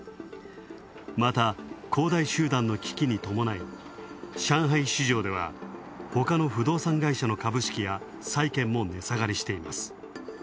また恒大集団の危機にともない、上海市場では、ほかの不動産会社の株式や債権も値下がりしています。